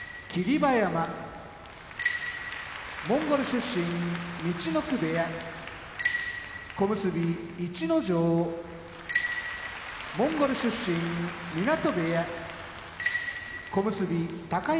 馬山モンゴル出身陸奥部屋小結・逸ノ城モンゴル出身湊部屋小結・高安